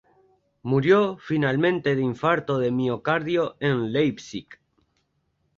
Murió finalmente de infarto de miocardio en Leipzig.